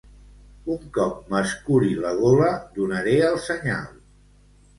Un cop m'escuri la gola, donaré el senyal.